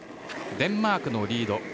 デンマークのリード